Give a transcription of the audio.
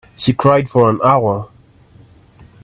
She cried for an hour.